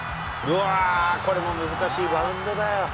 これも難しいバウンドだよ。